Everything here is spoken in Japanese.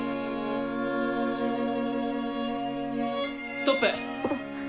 ストップ。